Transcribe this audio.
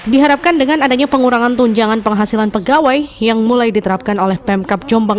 diharapkan dengan adanya pengurangan tunjangan penghasilan pegawai yang mulai diterapkan oleh pemkap jombang